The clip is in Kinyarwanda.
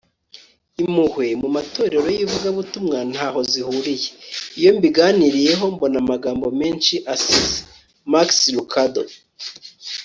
impuhwe mu matorero y'ivugabutumwa ntaho zihuriye. iyo mbiganiriyeho, mbona amagambo menshi asize. - max lucado